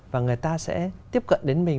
và người ta sẽ tiếp cận đến mình